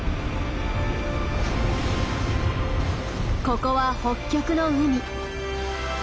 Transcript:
ここは北極の海。